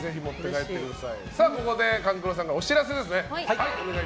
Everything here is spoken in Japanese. ここで勘九郎さんからお知らせです。